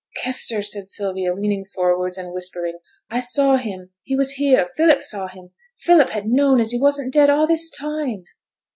'Kester!' said Sylvia, leaning forwards, and whispering. 'I saw him. He was here. Philip saw him. Philip had known as he wasn't dead a' this time!'